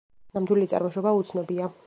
ნამდვილი წარმოშობა უცნობია.